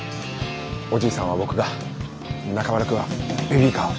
おじいさんは僕が中村くんはベビーカーを。